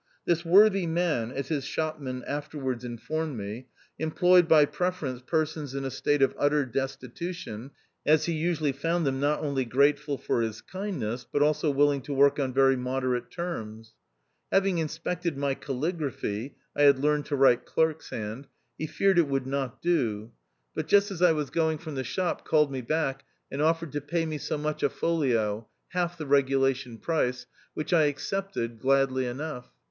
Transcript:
This worthy man, as his shopman afterwards informed me, employed by preference persons in a state of utter destitution, as he usually found them not only grateful for his kindness, but also willing to work ou very moderate terms. Having inspected my calligraphy (I had learned to write clerk s hand), he feared it would not do, but just as I was going from THE OUTCAST. 221 the shop, called me back and offered to pay me so much a folio — half the regulation price — which I accepted gladly enough.